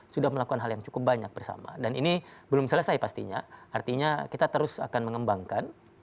sudah melakukan hal yang cukup banyak bersama dan ini belum selesai pastinya artinya kita terus akan mengembangkan